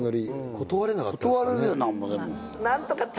断れなかったですもんね。